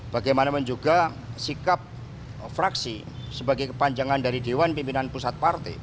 bagaimanapun juga sikap fraksi sebagai kepanjangan dari dewan pimpinan pusat partai